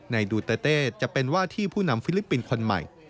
ดูเตอร์เต้จะเป็นว่าที่ผู้นำฟิลิปปินส์คนใหม่